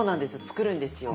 作るんですよ。